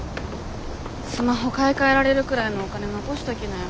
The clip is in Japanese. スマホ買い替えられるくらいのお金残しておきなよ。